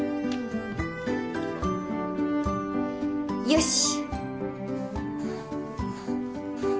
よし！